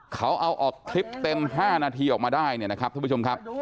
เขาเอาออกคลิปเต็ม๕นาทีออกมาได้เนี่ยนะครับท่านผู้ชมครับ